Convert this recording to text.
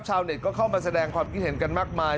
ชาวเน็ตก็เข้ามาแสดงความคิดเห็นกันมากมาย